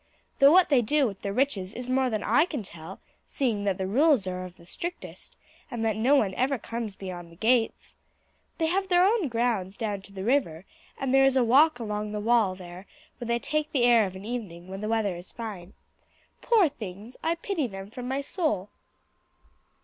Though what they do with their riches is more than I can tell, seeing that the rules are of the strictest, and that no one ever comes beyond the gates. They have their own grounds down to the river, and there is a walk along the wall there where they take the air of an evening when the weather is fine. Poor things, I pity them from my soul."